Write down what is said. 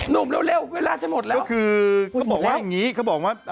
เร็วเวลาจะหมดแล้วก็คือเขาบอกว่าอย่างงี้เขาบอกว่า